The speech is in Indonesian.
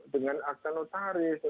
dengan akta notaris